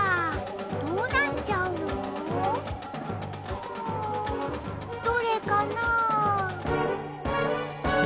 うんどれかなあ？